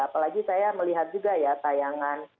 apalagi saya melihat juga ya tayangan